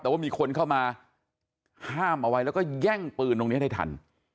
แต่ว่ามีคนเข้ามาห้ามเอาไว้แล้วก็แย่งปืนตรงนี้ได้ทัน